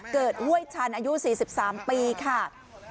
เกิดเว้ยชันอายุ๔๓ปีค่ะ